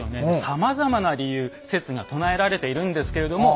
さまざまな理由説が唱えられているんですけれども。